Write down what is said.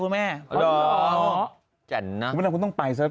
ผมว่าคุณต้องไป